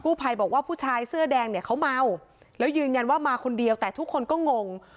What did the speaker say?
ภัยบอกว่าผู้ชายเสื้อแดงเนี่ยเขาเมาแล้วยืนยันว่ามาคนเดียวแต่ทุกคนก็งง